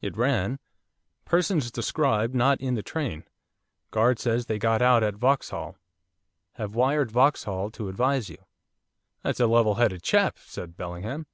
It ran: 'Persons described not in the train. Guard says they got out at Vauxhall. Have wired Vauxhall to advise you.' 'That's a level headed chap,' said Bellingham.